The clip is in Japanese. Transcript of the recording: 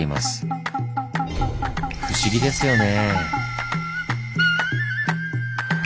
不思議ですよね。